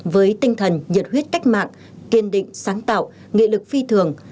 với tinh thần nhiệt huyết cách mạng kiên định sáng tạo nghị lực phi thường